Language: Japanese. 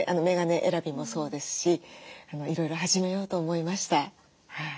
メガネ選びもそうですしいろいろ始めようと思いました。